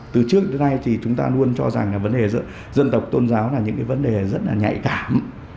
từ trước đến nay thì chúng ta luôn cho rằng là vấn đề dân tộc tôn giáo là những cái vấn đề rất là nhạy cảm